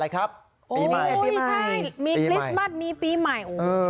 ปีใหม่ปีใหม่ใช่มีพริสมัสมีปีใหม่